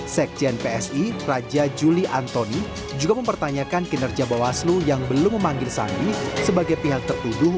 sekjen psi raja juli antoni juga mempertanyakan kinerja bawaslu yang belum memanggil sandi sebagai pihak tertuduh